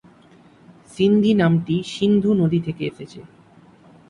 সিন্ধি নামটি সিন্ধু নদী থেকে এসেছে।